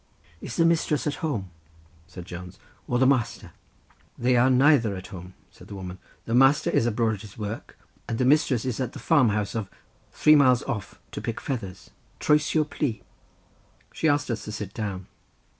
"Is the mistress at home," said Jones, "or the master?" "They are neither at home," said the woman; "the master is abroad at his work, and the mistress is at the farm house of — three miles off, to pick feathers (trwsio plu)." She asked us to sit down.